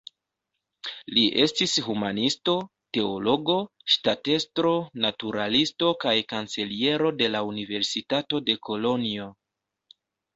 Li estis humanisto, teologo, ŝtatestro, naturalisto kaj kanceliero de la Universitato de Kolonjo.